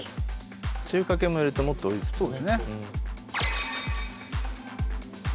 中華圏も入れるともっと多いですもんね。